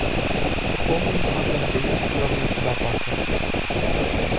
Como um fazendeiro tira leite da vaca?